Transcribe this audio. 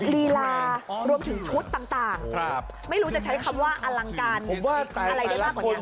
รีลารวมถึงชุดต่างต่างครับไม่รู้จะใช้คำว่าอลังการผมว่าแต่ละคน